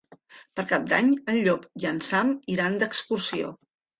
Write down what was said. Per Cap d'Any en Llop i en Sam iran d'excursió.